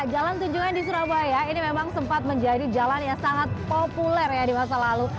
jalan tunjungan di surabaya ini memang sempat menjadi jalan yang sangat populer ya di masa lalu